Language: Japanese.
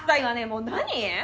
もう何！？